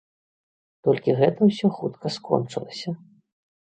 Толькі гэта ўсё хутка скончылася.